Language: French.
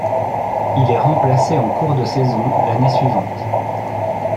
Il est remplacé en cours de saison l'année suivante.